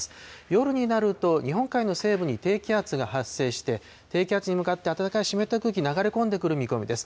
夜になると、日本海の西部に低気圧が発生して、低気圧に向かって、暖かく湿った空気が流れ込んでくる見込みです。